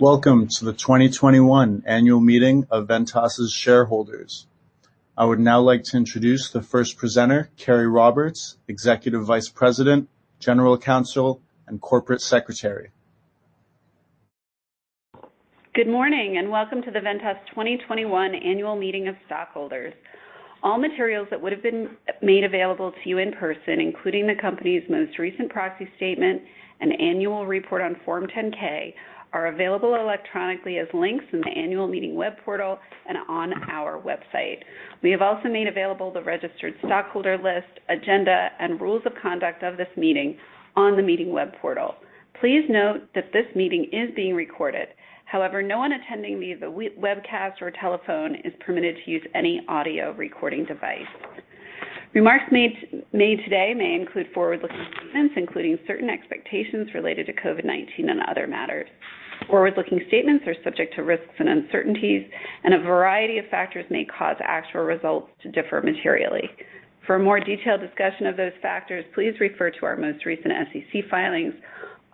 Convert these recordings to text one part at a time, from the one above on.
Welcome to the 2021 Annual Meeting of Ventas's Shareholders. I would now like to introduce the first presenter, Carey Roberts, Executive Vice President, General Counsel, and Corporate Secretary. Good morning and welcome to the Ventas 2021 Annual Meeting of Stockholders. All materials that would have been made available to you in person, including the company's most recent proxy statement and annual report on Form 10-K, are available electronically as links in the Annual Meeting web portal and on our website. We have also made available the registered stockholder list, agenda, and rules of conduct of this meeting on the meeting web portal. Please note that this meeting is being recorded. However, no one attending via the webcast or telephone is permitted to use any audio recording device. Remarks made today may include forward-looking statements, including certain expectations related to COVID-19 and other matters. Forward-looking statements are subject to risks and uncertainties, and a variety of factors may cause actual results to differ materially. For a more detailed discussion of those factors, please refer to our most recent SEC filings,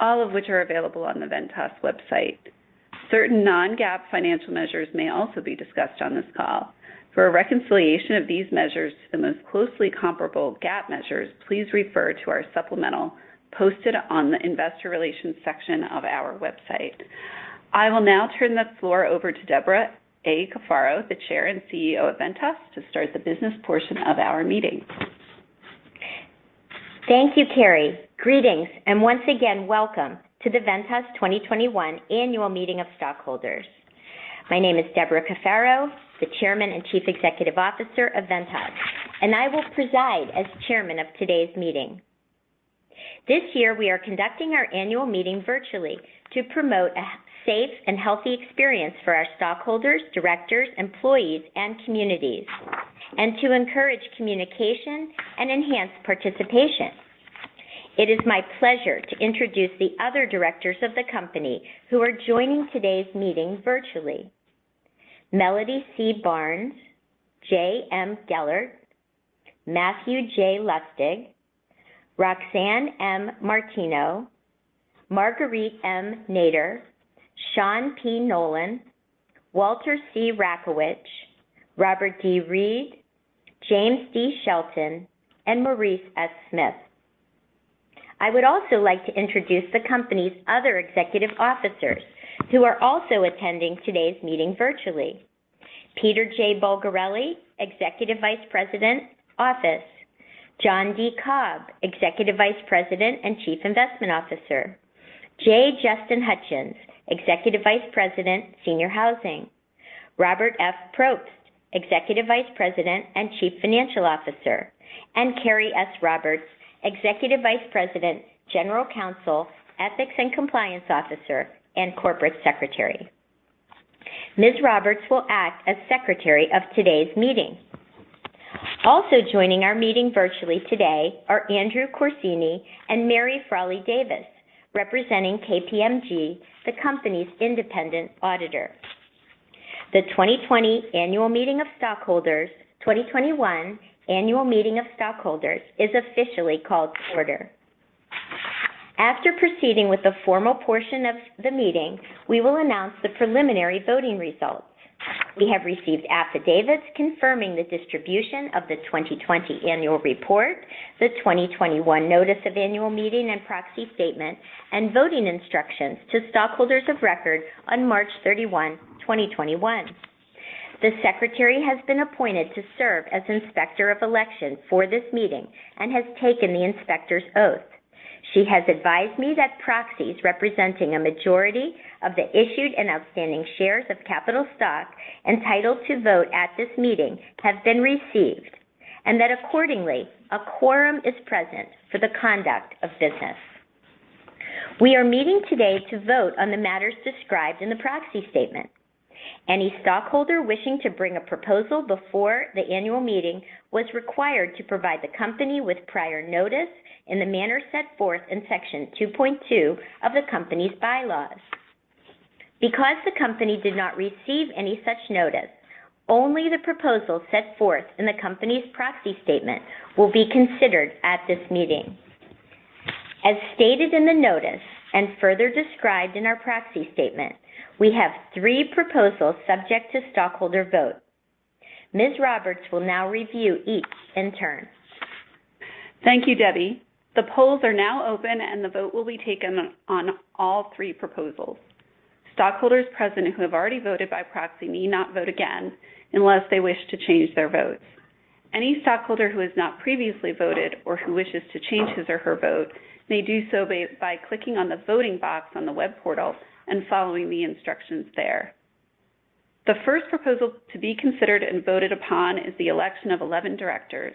all of which are available on the Ventas website. Certain non-GAAP financial measures may also be discussed on this call. For a reconciliation of these measures to the most closely comparable GAAP measures, please refer to our supplemental posted on the Investor Relations section of our website. I will now turn the floor over to Debra A. Cafaro, the Chair and CEO of Ventas, to start the business portion of our meeting. Thank you, Carrie. Greetings, and once again, welcome to the Ventas 2021 Annual Meeting of Stockholders. My name is Debra A. Cafaro, the Chairman and Chief Executive Officer of Ventas, and I will preside as Chairman of today's meeting. This year, we are conducting our annual meeting virtually to promote a safe and healthy experience for our stockholders, directors, employees, and communities, and to encourage communication and enhance participation. It is my pleasure to introduce the other directors of the company who are joining today's meeting virtually: Melody C. Barnes, Jay M. Gellert, Matthew J. Lustig, Roxanne M. Martino, Marguerite M. Nader, Sean P. Nolan, Walter C. Rakowich, Robert D. Reed, James D. Shelton, and Maurice S. Smith. I would also like to introduce the company's other executive officers who are also attending today's meeting virtually: Peter J. Bulgarelli, Executive Vice President, Office; John D. Cobb, Executive Vice President and Chief Investment Officer. J. Justin Hutchens, Executive Vice President, Senior Housing. Robert F. Probst, Executive Vice President and Chief Financial Officer. And Carey S. Roberts, Executive Vice President, General Counsel, Ethics and Compliance Officer, and Corporate Secretary. Ms. Roberts will act as Secretary of today's meeting. Also joining our meeting virtually today are Andrew Corsini and Mary Frawley-Davis, representing KPMG, the company's independent auditor. The 2021 Annual Meeting of Stockholders is officially called to order. After proceeding with the formal portion of the meeting, we will announce the preliminary voting results. We have received affidavits confirming the distribution of the 2020 Annual Report, the 2021 Notice of Annual Meeting and Proxy Statement, and voting instructions to stockholders of record on March 31, 2021. The Secretary has been appointed to serve as Inspector of Election for this meeting and has taken the Inspector's Oath. She has advised me that proxies representing a majority of the issued and outstanding shares of capital stock entitled to vote at this meeting have been received, and that accordingly, a quorum is present for the conduct of business. We are meeting today to vote on the matters described in the proxy statement. Any stockholder wishing to bring a proposal before the annual meeting was required to provide the company with prior notice in the manner set forth in Section 2.2 of the company's bylaws. Because the company did not receive any such notice, only the proposal set forth in the company's proxy statement will be considered at this meeting. As stated in the notice and further described in our proxy statement, we have three proposals subject to stockholder vote. Ms. Roberts will now review each in turn. Thank you, Debbie. The polls are now open, and the vote will be taken on all three proposals. Stockholders present who have already voted by proxy may not vote again unless they wish to change their votes. Any stockholder who has not previously voted or who wishes to change his or her vote may do so by clicking on the voting box on the web portal and following the instructions there. The first proposal to be considered and voted upon is the election of 11 directors.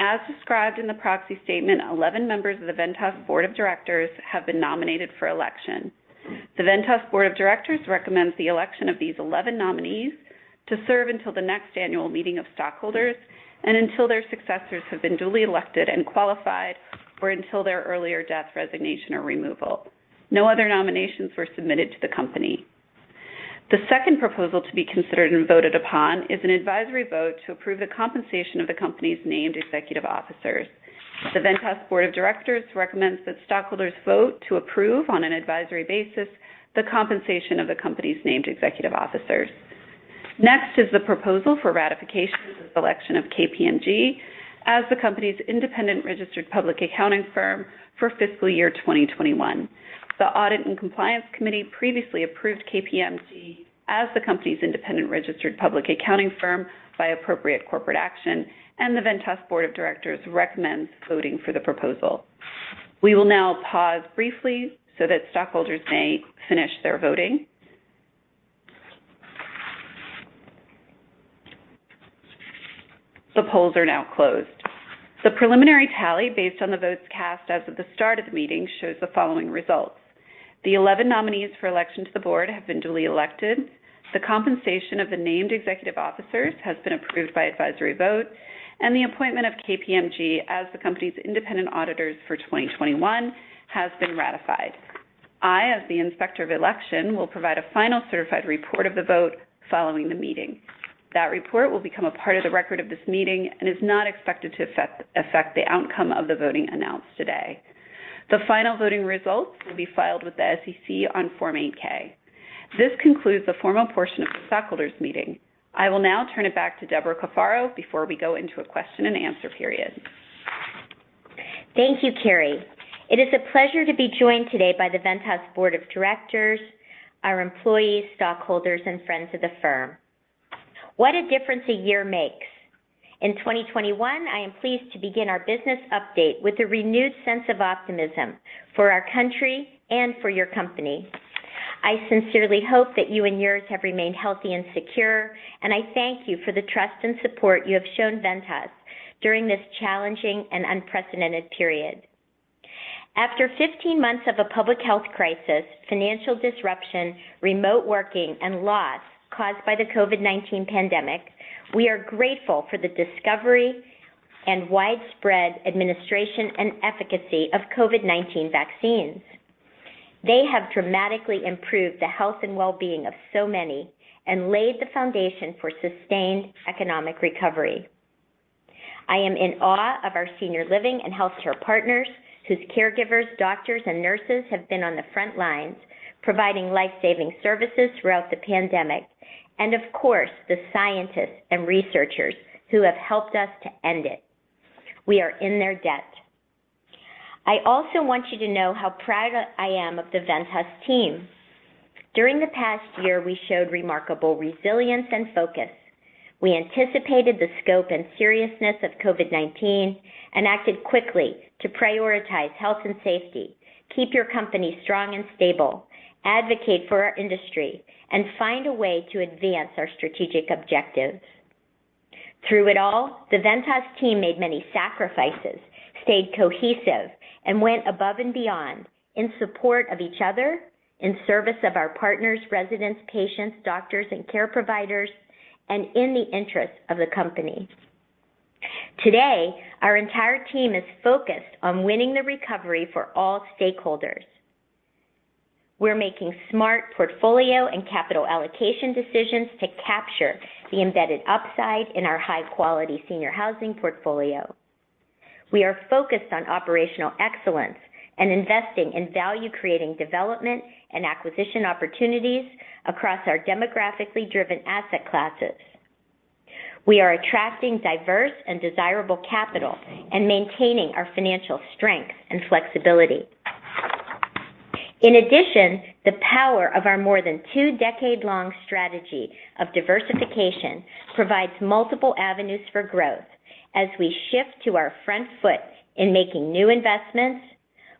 As described in the proxy statement, 11 members of the Ventas Board of Directors have been nominated for election. The Ventas Board of Directors recommends the election of these 11 nominees to serve until the next annual meeting of stockholders and until their successors have been duly elected and qualified, or until their earlier death, resignation, or removal. No other nominations were submitted to the company. The second proposal to be considered and voted upon is an advisory vote to approve the compensation of the company's named executive officers. The Ventas Board of Directors recommends that stockholders vote to approve on an advisory basis the compensation of the company's named executive officers. Next is the proposal for ratification of the selection of KPMG as the company's independent registered public accounting firm for fiscal year 2021. The Audit and Compliance Committee previously approved KPMG as the company's independent registered public accounting firm by appropriate corporate action, and the Ventas Board of Directors recommends voting for the proposal. We will now pause briefly so that stockholders may finish their voting. The polls are now closed. The preliminary tally based on the votes cast as of the start of the meeting shows the following results: the 11 nominees for election to the board have been duly elected, the compensation of the named executive officers has been approved by advisory vote, and the appointment of KPMG as the company's independent auditors for 2021 has been ratified. I, as the Inspector of Election, will provide a final certified report of the vote following the meeting. That report will become a part of the record of this meeting and is not expected to affect the outcome of the voting announced today. The final voting results will be filed with the SEC on Form 8-K. This concludes the formal portion of the stockholders' meeting. I will now turn it back to Debra Cafaro before we go into a question and answer period. Thank you, Carrie. It is a pleasure to be joined today by the Ventas Board of Directors, our employees, stockholders, and friends of the firm. What a difference a year makes. In 2021, I am pleased to begin our business update with a renewed sense of optimism for our country and for your company. I sincerely hope that you and yours have remained healthy and secure, and I thank you for the trust and support you have shown Ventas during this challenging and unprecedented period. After 15 months of a public health crisis, financial disruption, remote working, and loss caused by the COVID-19 pandemic, we are grateful for the discovery and widespread administration and efficacy of COVID-19 vaccines. They have dramatically improved the health and well-being of so many and laid the foundation for sustained economic recovery. I am in awe of our senior living and healthcare partners whose caregivers, doctors, and nurses have been on the front lines providing lifesaving services throughout the pandemic, and of course, the scientists and researchers who have helped us to end it. We are in their debt. I also want you to know how proud I am of the Ventas team. During the past year, we showed remarkable resilience and focus. We anticipated the scope and seriousness of COVID-19 and acted quickly to prioritize health and safety, keep your company strong and stable, advocate for our industry, and find a way to advance our strategic objectives. Through it all, the Ventas team made many sacrifices, stayed cohesive, and went above and beyond in support of each other, in service of our partners, residents, patients, doctors, and care providers, and in the interest of the company. Today, our entire team is focused on winning the recovery for all stakeholders. We're making smart portfolio and capital allocation decisions to capture the embedded upside in our high-quality senior housing portfolio. We are focused on operational excellence and investing in value-creating development and acquisition opportunities across our demographically driven asset classes. We are attracting diverse and desirable capital and maintaining our financial strength and flexibility. In addition, the power of our more than two-decade-long strategy of diversification provides multiple avenues for growth as we shift to our front foot in making new investments,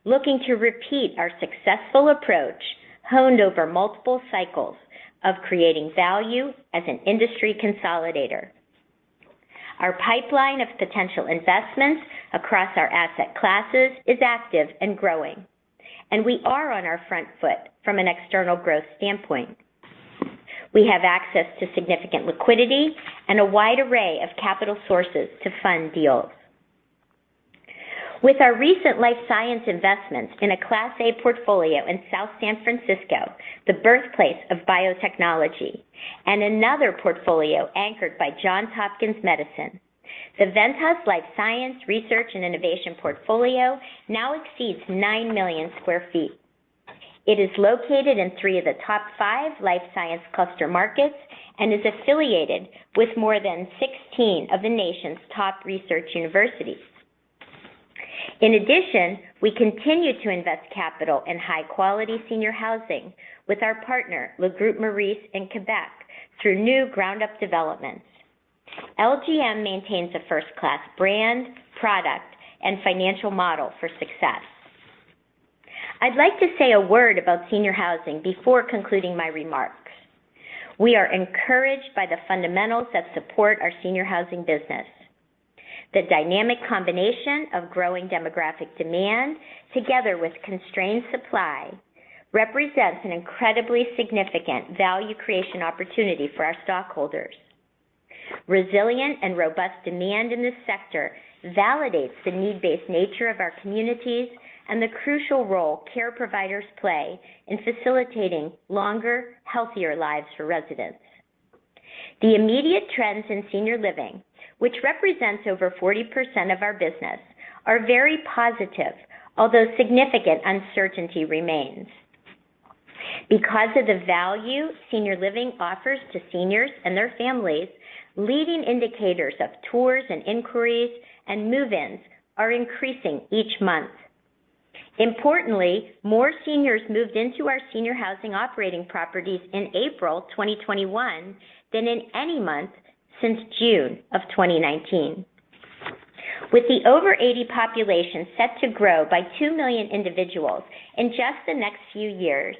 looking to repeat our successful approach honed over multiple cycles of creating value as an industry consolidator. Our pipeline of potential investments across our asset classes is active and growing, and we are on our front foot from an external growth standpoint. We have access to significant liquidity and a wide array of capital sources to fund deals. With our recent life science investments in a Class A portfolio in South San Francisco, the birthplace of biotechnology, and another portfolio anchored by Johns Hopkins Medicine, the Ventas Life Science Research and Innovation portfolio now exceeds 9 million sq ft. It is located in three of the top five life science cluster markets and is affiliated with more than 16 of the nation's top research universities. In addition, we continue to invest capital in high-quality senior housing with our partner, Le Groupe Maurice in Quebec, through new ground-up developments. LGM maintains a first-class brand, product, and financial model for success. I'd like to say a word about senior housing before concluding my remarks. We are encouraged by the fundamentals that support our senior housing business. The dynamic combination of growing demographic demand, together with constrained supply, represents an incredibly significant value creation opportunity for our stockholders. Resilient and robust demand in this sector validates the need-based nature of our communities and the crucial role care providers play in facilitating longer, healthier lives for residents. The immediate trends in senior living, which represent over 40% of our business, are very positive, although significant uncertainty remains. Because of the value senior living offers to seniors and their families, leading indicators of tours and inquiries and move-ins are increasing each month. Importantly, more seniors moved into our senior housing operating properties in April 2021 than in any month since June of 2019. With the over 80 population set to grow by two million individuals in just the next few years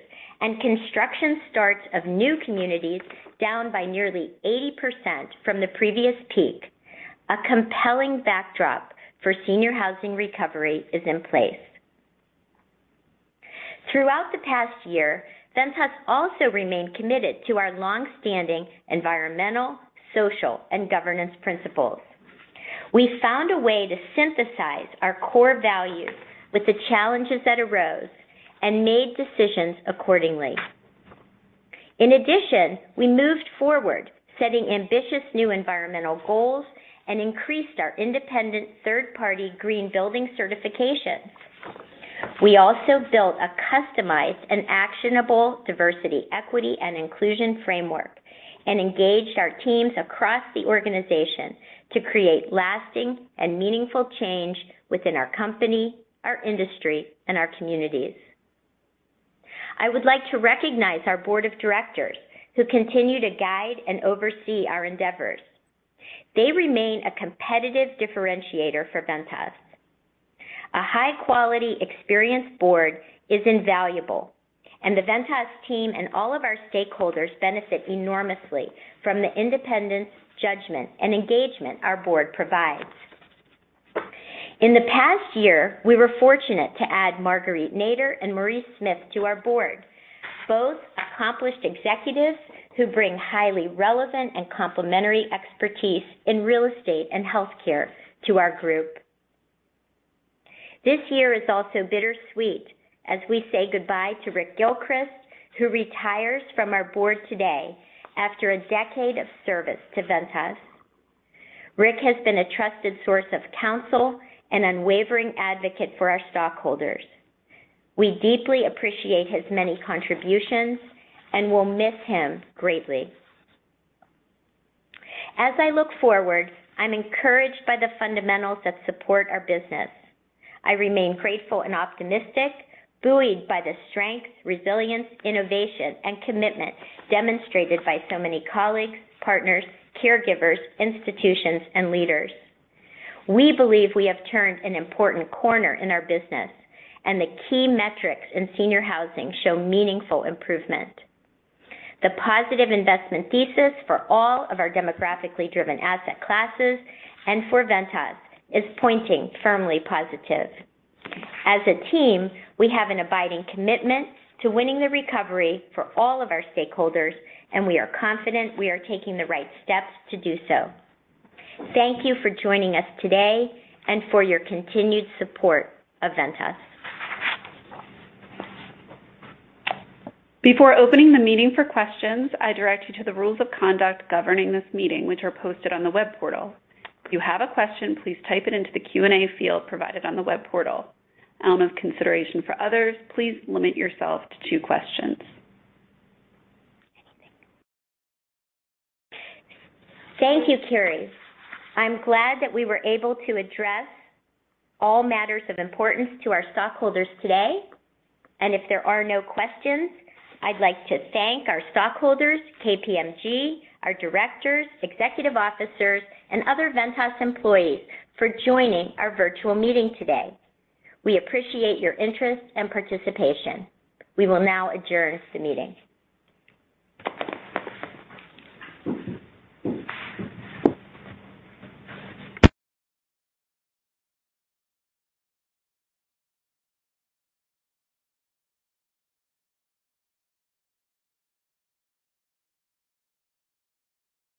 and construction starts of new communities down by nearly 80% from the previous peak, a compelling backdrop for senior housing recovery is in place. Throughout the past year, Ventas also remained committed to our longstanding environmental, social, and governance principles. We found a way to synthesize our core values with the challenges that arose and made decisions accordingly. In addition, we moved forward, setting ambitious new environmental goals and increased our independent third-party green building certifications. We also built a customized and actionable diversity, equity, and inclusion framework and engaged our teams across the organization to create lasting and meaningful change within our company, our industry, and our communities. I would like to recognize our Board of Directors who continue to guide and oversee our endeavors. They remain a competitive differentiator for Ventas. A high-quality, experienced board is invaluable, and the Ventas team and all of our stakeholders benefit enormously from the independence, judgment, and engagement our board provides. In the past year, we were fortunate to add Marguerite Nader and Maurice Smith to our board, both accomplished executives who bring highly relevant and complementary expertise in real estate and healthcare to our group. This year is also bittersweet as we say goodbye to Rick Gilchrist, who retires from our board today after a decade of service to Ventas. Rick has been a trusted source of counsel and unwavering advocate for our stockholders. We deeply appreciate his many contributions and will miss him greatly. As I look forward, I'm encouraged by the fundamentals that support our business. I remain grateful and optimistic, buoyed by the strength, resilience, innovation, and commitment demonstrated by so many colleagues, partners, caregivers, institutions, and leaders. We believe we have turned an important corner in our business, and the key metrics in senior housing show meaningful improvement. The positive investment thesis for all of our demographically driven asset classes and for Ventas is pointing firmly positive. As a team, we have an abiding commitment to winning the recovery for all of our stakeholders, and we are confident we are taking the right steps to do so. Thank you for joining us today and for your continued support of Ventas. Before opening the meeting for questions, I direct you to the rules of conduct governing this meeting, which are posted on the web portal. If you have a question, please type it into the Q&A field provided on the web portal. Element of consideration for others, please limit yourself to two questions. Thank you, Carrie. I'm glad that we were able to address all matters of importance to our stockholders today. And if there are no questions, I'd like to thank our stockholders, KPMG, our directors, executive officers, and other Ventas employees for joining our virtual meeting today. We appreciate your interest and participation. We will now adjourn the meeting.